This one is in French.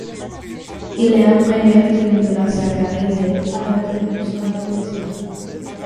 Il est un premier film de la saga Heisei avec le monstre Godzilla.